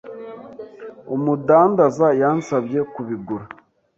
Umudandaza yansabye kubigura.